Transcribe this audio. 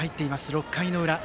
６回の裏。